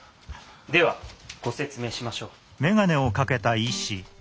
ではご説明しましょう。